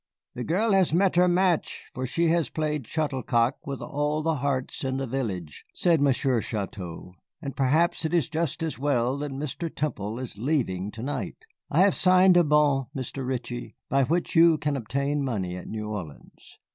"The girl has met her match, for she has played shuttle cock with all the hearts in the village," said Monsieur Chouteau. "But perhaps it is just as well that Mr. Temple is leaving to night. I have signed a bon, Mr. Ritchie, by which you can obtain money at New Orleans.